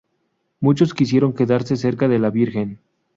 Muchos quisieron quedarse cerca de la Virgen.